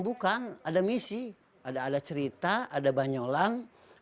bukan ada misi ada cerita ada banyolan